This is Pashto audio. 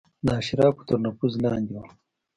د اشرافو تر نفوذ لاندې وه.